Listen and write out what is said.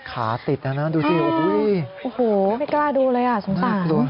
ขาติดนะดูสิโอ้โหไม่กล้าดูเลยอ่ะสงสาร